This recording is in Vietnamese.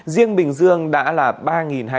riêng bình dương đã là ba hai trăm một mươi ca